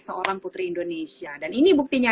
seorang putri indonesia dan ini buktinya